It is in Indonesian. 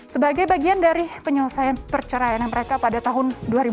sebagai bagian dari penyelesaian perceraian mereka pada tahun dua ribu dua puluh